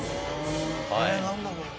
え何だろう。